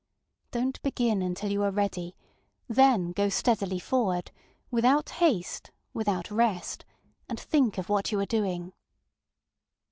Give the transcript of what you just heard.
DonŌĆÖt begin until you are ready; then go steadily forward, ŌĆ£without haste, without rest, ŌĆØ and think of what you are doing.